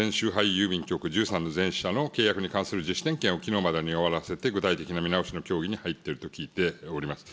郵便局１３の全支社の契約に関する自主点検をきのうまでに終わらせて具体的な見直しの協議に入っていると聞いております。